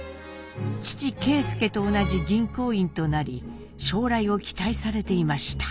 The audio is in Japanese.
父啓介と同じ銀行員となり将来を期待されていました。